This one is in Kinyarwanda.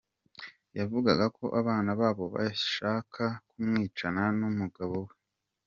Yavugaga ko abana babo bashaka kumwicana n’umugabo we.